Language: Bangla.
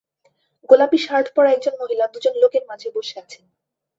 গোলাপী শার্ট পরা একজন মহিলা দু'জন লোকের মাঝে বসে আছেন।